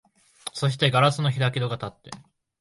そして硝子の開き戸がたって、